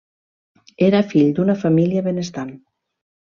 Era fill d'una família benestant.